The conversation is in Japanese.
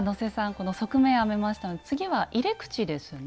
この側面編めましたので次は入れ口ですね。